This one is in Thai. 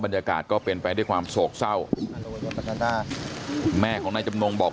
บรรยากาศก็เป็นไปด้วยความโศกเศร้าแม่ของนายจำนงบอก